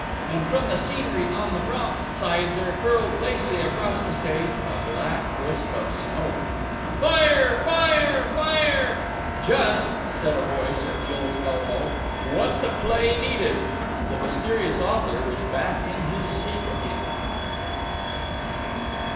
And from the scenery on the prompt side there curled lazily across the stage a black wisp of smoke. "Fire! Fire! Fire!" "Just," said a voice at Jill's elbow, "what the play needed!" The mysterious author was back in his seat again.